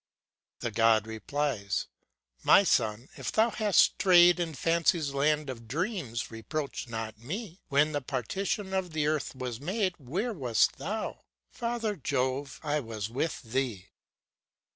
The God replies: ŌĆ×My son! if thou hast strayed In Fancy's land of dreams, reproach not me. When the partition of the Earth was made, Where wast thou?" ŌĆö ^Father Jove! I was with thee!"